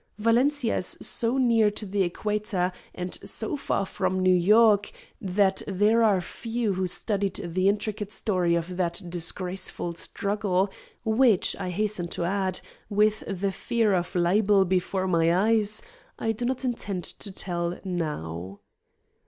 Valencia is so near to the equator, and so far from New York, that there are few who studied the intricate story of that disgraceful struggle, which, I hasten to add, with the fear of libel before my eyes, I do not intend to tell now.